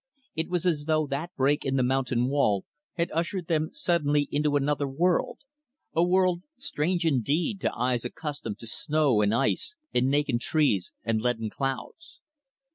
It was as though that break in the mountain wall had ushered them suddenly into another world a world, strange, indeed, to eyes accustomed to snow and ice and naked trees and leaden clouds.